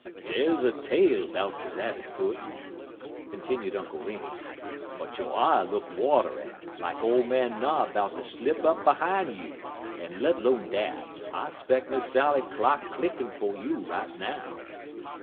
"Dey's a tale 'bout de rabbit foot," continued Uncle Remus, "but yo' eye look watery, like ole man Nod 'bout ter slip up behime you; en let 'lone dat, I 'speck Miss Sally clock clickin' fer you right now."